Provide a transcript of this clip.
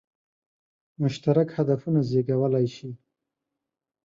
مشترک هدفونه زېږولای شي.